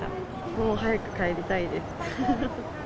もう早く帰りたいです。